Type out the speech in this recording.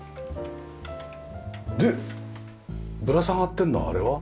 でぶら下がってんのあれは？